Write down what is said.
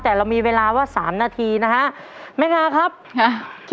แต่เรามีเวลาว่าสามนาทีนะฮะแม่งาครับค่ะ